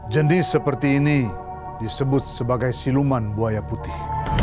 jenis seperti ini disebut sebagai siluman buaya putih